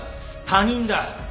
他人だ。